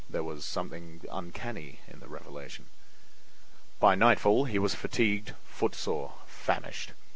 There was something uncanny in the revelation. By nightfall he was fatigued, footsore, famished.